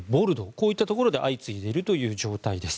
こういったところで相次いでいる状態です。